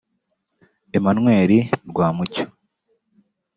Emmanuel Rwamucyo